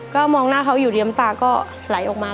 ก็มองหน้าเขาอยู่เรียมตาก็ไหลออกมา